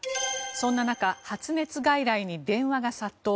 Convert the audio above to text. そんな中、発熱外来に電話が殺到。